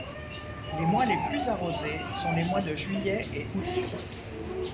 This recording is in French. Les mois les plus arrosés sont les mois de juillet et août.